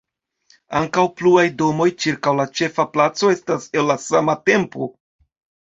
Ankaŭ pluaj domoj ĉirkaŭ la ĉefa placo estas el la sama tempo.